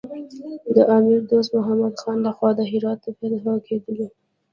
د امیر دوست محمد خان له خوا د هرات د فتح کېدلو.